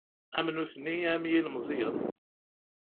Am nutni am yilmeẓyen.